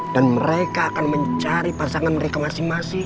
dan mereka akan mencari pasangan mereka masing masing